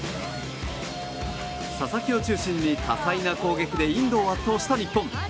佐々木を中心に多彩な攻撃でインドを圧倒した日本。